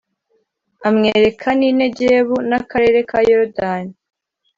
amwereka n’i Negebu n’akarere ka Yorodani